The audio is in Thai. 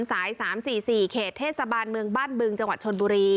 สาย๓๔๔เขตเทศบาลเมืองบ้านบึงจังหวัดชนบุรี